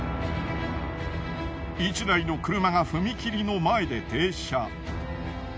１台の車が踏切の前で停車。